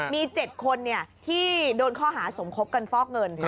มี๗คนที่โดนข้อหาสมคบกันฟอกเงิน